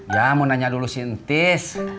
ya mau nanya dulu si entis